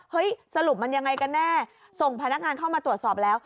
สรุปมันยังไงกันแน่ส่งพนักงานเข้ามาตรวจสอบแล้ว